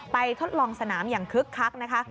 ทดลองสนามอย่างคึกคักนะคะ